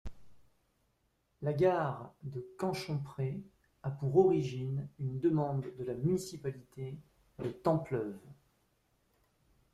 La gare de Canchomprez a pour origine une demande de la municipalité de Templeuve.